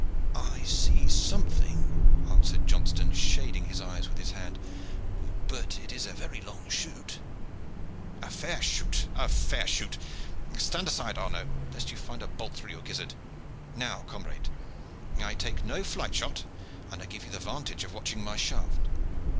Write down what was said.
"I see something," answered Johnston, shading his eyes with his hand; "but it is a very long shoot." "A fair shoot a fair shoot! Stand aside, Arnaud, lest you find a bolt through your gizzard. Now, comrade, I take no flight shot, and I give you the vantage of watching my shaft."